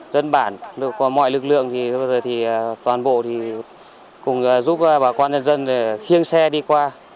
bà con dân bản mọi lực lượng toàn bộ giúp bà con nhân dân khiêng xe đi qua